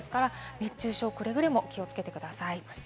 熱中症、くれぐれも気をつけてください。